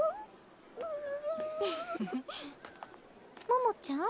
桃ちゃん？